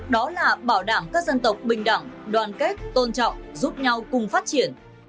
đó là bảo đảm các dân tộc bình đẳng đoàn kết tôn trọng giúp nhau cùng phát triển